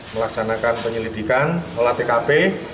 melaksanakan penyelidikan olah tkp